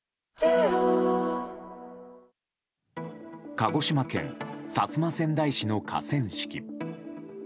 鹿児島県薩摩川内市の河川敷。